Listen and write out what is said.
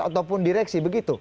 ataupun direksi begitu